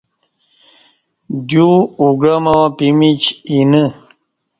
دیوا گعاماں پمیچ اینہ